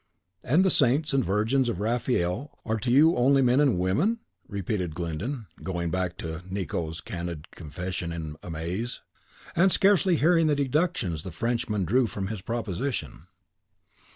"And the saints and virgins of Raphael are to you only men and women?" repeated Glyndon, going back to Nicot's candid confession in amaze, and scarcely hearing the deductions the Frenchman drew from his proposition.